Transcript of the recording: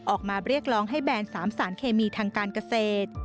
ออกมาเรียกร้องให้แบน๓สารเคมีทางการเกษตร